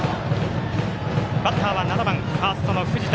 バッターは７番ファーストの藤田。